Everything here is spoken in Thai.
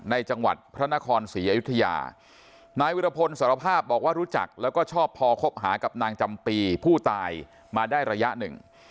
จังหวัดพระนครศรีอยุธยานายวิรพลสารภาพบอกว่ารู้จักแล้วก็ชอบพอคบหากับนางจำปีผู้ตายมาได้ระยะหนึ่ง